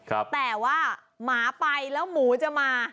แต่ว่าหมาไปแล้วหมูจะมา